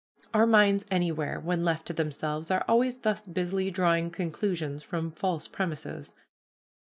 Our minds anywhere, when left to themselves, are always thus busily drawing conclusions from false premises.